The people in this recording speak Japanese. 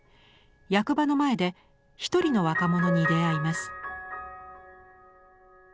役場の前で一人の若者に出会います。